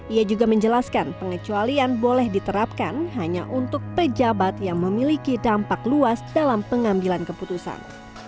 ia juga menjelaskan pengecualian boleh diterapkan hanya untuk pejabat yang memiliki dampak luas dalam pengambilan keputusan